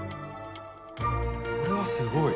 これはすごい。